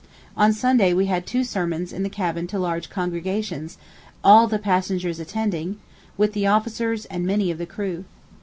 On Sunday we had two sermons in the cabin to large congregations, all the passengers attending, with the officers and many of the crew.